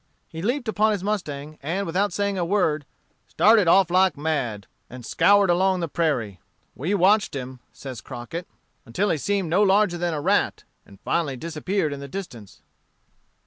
He leaped upon his mustang, and without saying a word, "started off like mad," and scoured along the prairie. "We watched him," says Crockett, "until he seemed no larger than a rat, and finally disappeared in the distance."